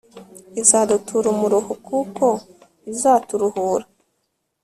izadutura umuruho kuko izaturuhura